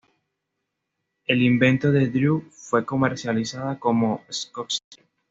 El invento de Drew fue comercializada como Scotch Tape.